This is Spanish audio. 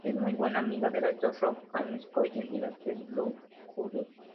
Es muy buena amiga del actor Rob James-Collier y la actriz Lucy-Jo Hudson.